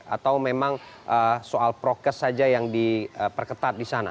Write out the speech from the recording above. atau memang soal prokes saja yang diperketat di sana